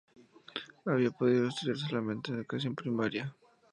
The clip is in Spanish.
Había podido estudiar solamente la educación primaria.